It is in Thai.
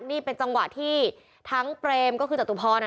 นี่เป็นจังหวะที่ทั้งเตรียมก็คือจตุภรณ์อ่ะนะ